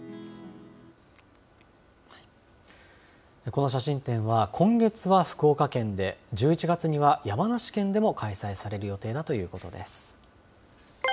この写真展は、今月は福岡県で、１１月には山梨県でも開催される予定だということです。